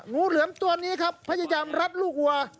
งูเหลือมตัวนี้ครับพยายามรัดลูกวัว